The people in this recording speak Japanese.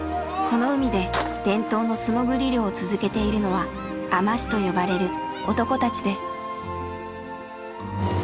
この海で伝統の素もぐり漁を続けているのは「海士」と呼ばれる男たちです。